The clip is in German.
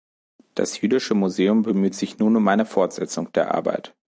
Das jüdische Museum bemüht sich nun um eine Fortsetzung der Arbeit.